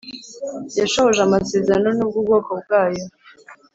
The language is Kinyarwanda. yashohoje amasezerano nubwo ubwoko bwayo